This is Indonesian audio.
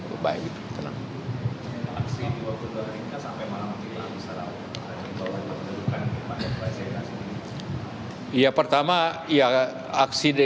dan aksi dua puluh dua minggu sampai malam minggu nanti apakah akan dibawa ke penyeludukan